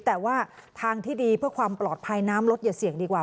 แต่ว่าทางที่ดีเพื่อความปลอดภัยน้ำรถอย่าเสี่ยงดีกว่า